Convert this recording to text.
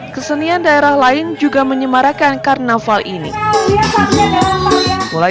kesenian daerah lain juga menyemarakan karnaval ini